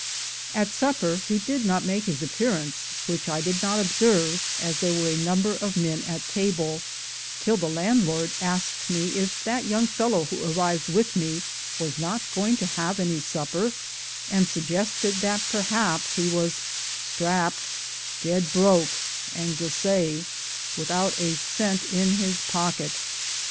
At supper he did not make his appearance, which I did not observe, as there were a number of men at table, till the landlord asked me if that young fellow who arrived with me was not going to have any supper, and suggested that perhaps he was "strap ped," "dead broke" — Anglice, without a cent in his pocket.